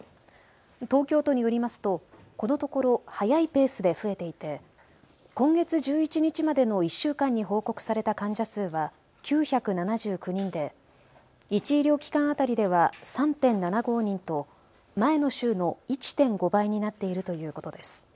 東京都によりますとこのところ早いペースで増えていて、今月１１日までの１週間に報告された患者数は９７９人で１医療機関当たりでは３．７５人と前の週の１．５倍になっているということです。